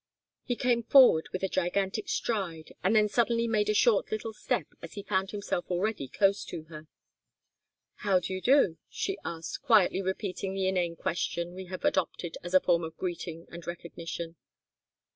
He came forward with a gigantic stride, and then suddenly made a short little step, as he found himself already close to her. "How do you do?" she asked, quietly repeating the inane question we have adopted as a form of greeting and recognition.